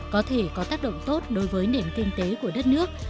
có thể có tác động tốt đối với nền kinh tế của đất nước